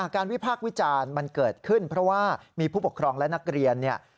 วิพากษ์วิจารณ์มันเกิดขึ้นเพราะว่ามีผู้ปกครองและนักเรียนเนี่ย